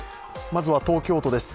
まずは東京都です。